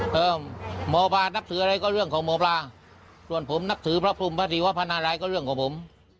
หมอปลานับถืออะไรก็เรื่องของหมอปลาส่วนผมนับถือพระพรมพระศรีวพนาลัยก็เรื่องของผม